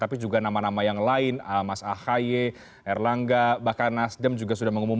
tapi juga nama nama yang lain mas ahaye erlangga bahkan nasdem juga sudah mengumumkan